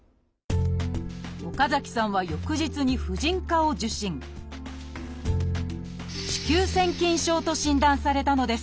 岡崎さんは翌日にと診断されたのです。